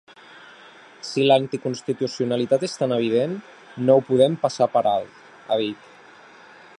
“Si l’anticonstitucionalitat és tan evident, no ho podem passar per alt”, ha dit.